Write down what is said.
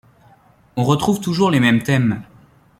On retrouve toujours les mêmes thèmes.